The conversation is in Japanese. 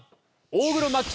大黒摩季